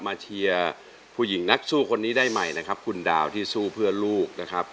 เชียร์ผู้หญิงนักสู้คนนี้ได้ใหม่นะครับคุณดาวที่สู้เพื่อลูกนะครับ